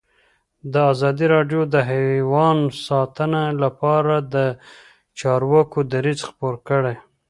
ازادي راډیو د حیوان ساتنه لپاره د چارواکو دریځ خپور کړی.